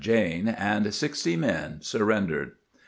Jayne, and 60 men surrendered.